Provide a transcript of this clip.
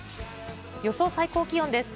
予想最高気温です。